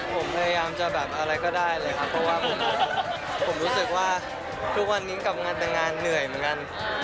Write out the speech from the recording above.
ผมพยายามจะแบบอะไรก็ได้เลยครับเพราะว่าผมรู้สึกว่าทุกวันนี้กับงานแต่งงานเหนื่อยเหมือนกัน